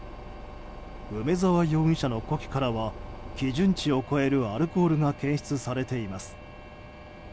梅沢容疑者の呼気からは基準値を超えるアルコールが検出されています。